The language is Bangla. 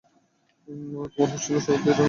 তোমার হোস্টেলের সবাইকে এই ড্রয়িংটা দেখাও।